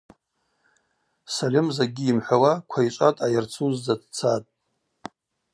Сальым закӏгьи йымхӏвауа Квайчӏва дъайырцуздза дцатӏ.